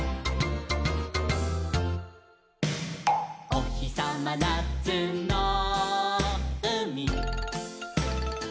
「おひさまなつのうみ」